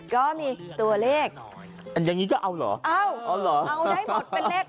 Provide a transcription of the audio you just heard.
ก็มีตัวเลขอย่างนี้ก็เอาเหรอเอาเหรอเอาได้หมดเป็นเลข